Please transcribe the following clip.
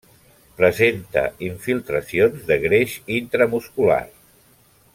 Presenta infiltracions de greix intramuscular.